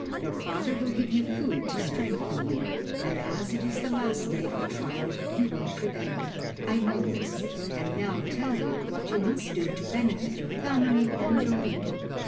Your father will give you food to strengthen you, and as it is the last day of trial you will prevail. I know this, and now tell you what you must do to benefit your family and your people.